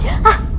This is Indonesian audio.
gak ada siapa